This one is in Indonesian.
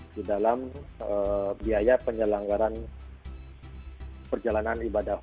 di dalam biaya penyelenggaraan perjalanan ibadah umroh